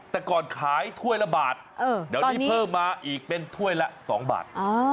แต่ก่อนขายถ้วยละบาทเดี๋ยวนี้เพิ่มมาอีกเป็นถ้วยละ๒บาท